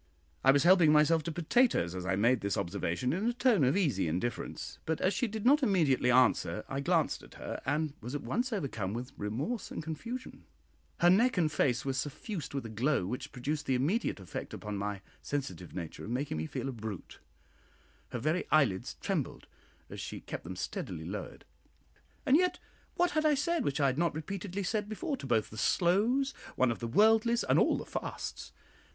I was helping myself to potatoes as I made this observation in a tone of easy indifference; but as she did not immediately answer, I glanced at her, and was at once overcome with remorse and confusion; her neck and face were suffused with a glow which produced the immediate effect upon my sensitive nature of making me feel a brute; her very eyelids trembled as she kept them steadily lowered: and yet what had I said which I had not repeatedly said before to both the "slows," one of the "worldlies," and all the "fasts"?